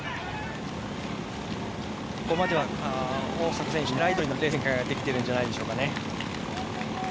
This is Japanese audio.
ここまでは大迫選手の狙いどおりのレース展開ができているんじゃないでしょうかね。